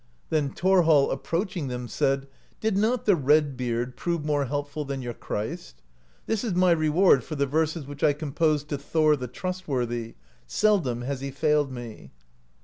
Then Thorhall, approaching them, said: "Did not the Red beard (49) prove more helpful than your Christ? This is my reward for the verses which I com posed to Thor, the Trustworthy; seldom has he failed me."